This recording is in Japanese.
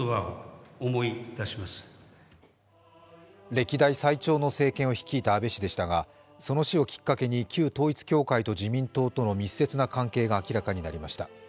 歴代最長の政権を率いた安倍氏でしたがその死をきっかけに旧統一教会と自民党との密接な関係が明らかになりました。